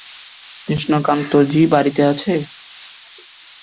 কৃষ্ণকান্ত জি বাড়িতে আছে?